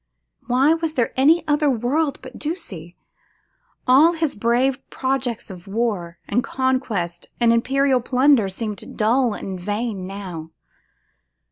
Why was there any other world but Ducie? All his brave projects of war, and conquest, and imperial plunder, seemed dull and vain now.